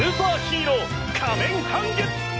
ヒーロー仮面半月！